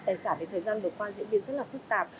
tài sản đến thời gian vừa qua diễn biến rất là phức tạp